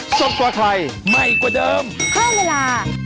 อ๋อเชิญนะคะ